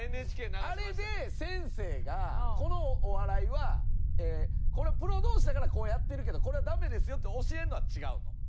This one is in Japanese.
あれで先生がこのお笑いはこれはプロ同士やからこうやってるけどこれはダメですよって教えるのは違うの？